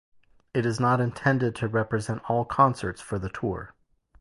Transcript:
It is not intended to represent all concerts for the tour.